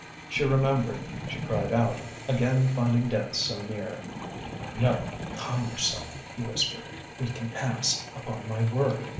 She remembered, she cried out, again finding death so near. "No! calm yourself," he whispered. "We can pass, upon my word!"